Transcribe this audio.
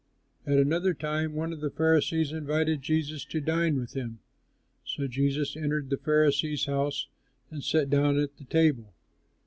At another time one of the Pharisees invited Jesus to dine with him. So Jesus entered the Pharisee's house and sat down at the table.